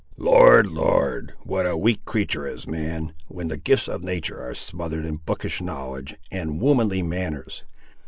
"Lord, Lord! what a weak creatur' is man, when the gifts of natur' are smothered in bookish knowledge, and womanly manners!